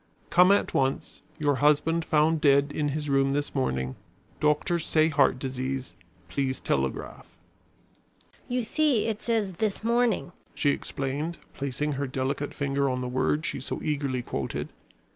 "Come at once. Your husband found dead in his room this morning. Doctors say heart disease. Please telegraph." "You see it says this morning," she explained, placing her delicate finger on the word she so eagerly quoted.